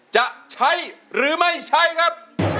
จะใช้หรือไม่ใช้ครับ